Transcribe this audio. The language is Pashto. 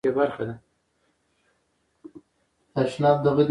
ځمکنی شکل د افغانستان د سیاسي جغرافیه برخه ده.